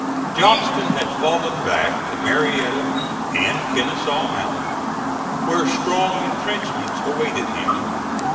Johnston had fallen back to Marietta and Kenesaw Mountain, where strong intrenchments awaited him.